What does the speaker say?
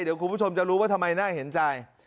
เดี๋ยวคุณผู้ชมจะรู้ว่าทำไมน่าเห็นใจ